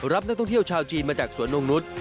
รับนักท่องเที่ยวชาวจีนมาจากสวนนงนุษย์